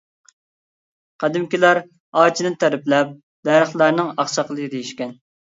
قەدىمكىلەر ئارچىنى تەرىپلەپ «دەرەخلەرنىڭ ئاقساقىلى» دېيىشكەن.